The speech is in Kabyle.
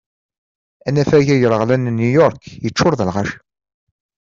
Anafag agraɣlan n New York yeččur d lɣaci.